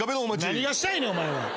何がしたいねんお前は。